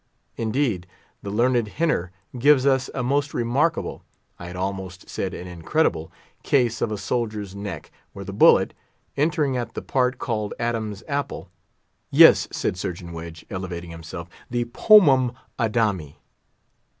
Indeed, the learned Henner gives us a most remarkable—I had almost said an incredible—case of a soldier's neck, where the bullet, entering at the part called Adam's Apple—" "Yes," said Surgeon Wedge, elevating himself, "the pomum Adami."